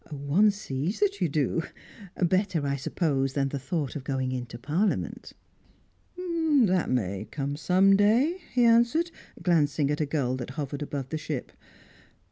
"One sees that you do. Better, I suppose, than the thought of going into Parliament." "That may come some day," he answered, glancing at a gull that hovered above the ship.